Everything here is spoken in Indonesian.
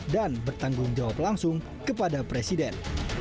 dan bertanggung jawab langsung kepada presiden